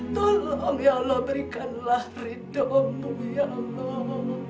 tolong ya allah berikanlah ridhomu ya allah